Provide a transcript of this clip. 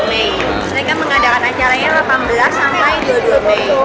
mereka mengadakan acaranya delapan belas sampai dua puluh dua mei